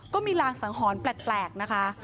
ก็มีรางสังหรณ์แปลกนะคะ